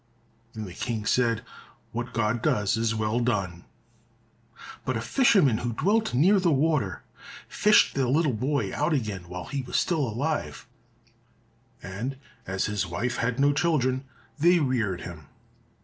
Then the King said, "What God does, is well done!" But a fisherman who dwelt near the water fished the little boy out again while he was still alive, and as his wife had no children, they reared him.